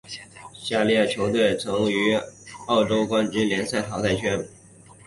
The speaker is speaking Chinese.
下列球队曾晋身欧洲冠军联赛淘汰圈。